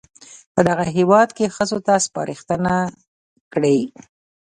په دغه هېواد کې ښځو ته سپارښتنه کړې